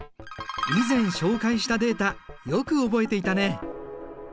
以前紹介したデータよく覚えていたね。